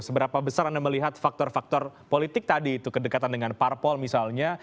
seberapa besar anda melihat faktor faktor politik tadi itu kedekatan dengan parpol misalnya